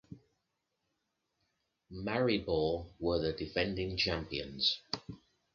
Maribor were the defending champions.